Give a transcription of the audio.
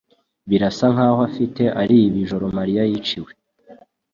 Birasa nkaho afite alibi ijoro Mariya yiciwe.